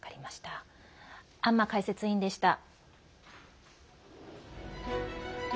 安間解説委員でした。